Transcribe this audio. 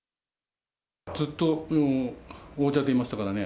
ずっと王者でいましたからね。